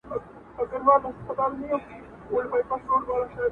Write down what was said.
په ورځ کي سل ځلي ځارېدله.